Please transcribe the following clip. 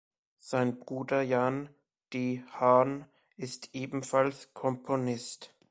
Sein Bruder Jan de Haan ist ebenfalls Komponist.